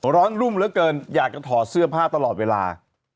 รุ่มเหลือเกินอยากจะถอดเสื้อผ้าตลอดเวลา